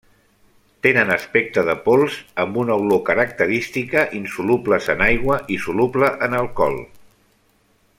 Tenen aspecte de pols amb una olor característica, insolubles en aigua i soluble en alcohol.